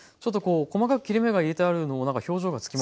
細かく切り目が入れてあるのも表情がつきますね。